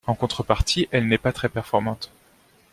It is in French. En contrepartie, elle n'est pas très performante.